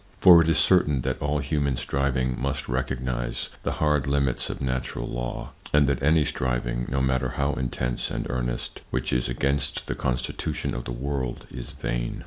For it is certain that all human striving must recognize the hard limits of natural law, and that any striving, no matter how intense and earnest, which is against the constitution of the world, is vain.